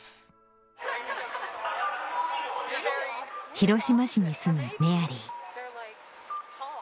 広島市に住むメアリー